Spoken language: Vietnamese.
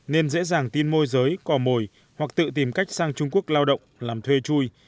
nên dễ dàng tin môi giới cò mồi hoặc tự tìm cách sang trung quốc lao động làm thuê chui